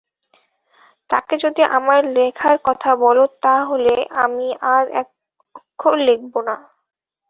তাঁকে যদি আমার লেখার কথা বল তা হলে আমি আর এক অক্ষর লিখব না।